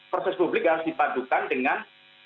proses publik harus dipadukan dengan